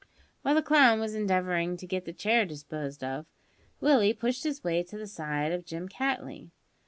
While the clown was endeavouring to get the chair disposed of, Willie pushed his way to the side of Jim Cattley.